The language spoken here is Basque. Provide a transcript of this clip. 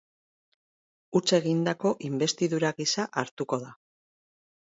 Huts egindako inbestidura gisa hartuko da.